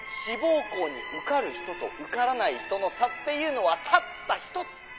志望校に受かる人と受からない人の差っていうのはたった１つ。